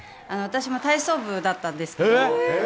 私も体操部だったんですけど。